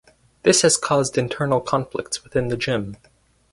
This has caused internal conflicts within the gym.